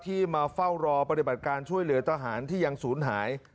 มาเฝ้ารอปฏิบัติการช่วยเหลือทหารที่ยังศูนย์หาย